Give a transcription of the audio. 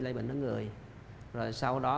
lây bệnh đến người rồi sau đó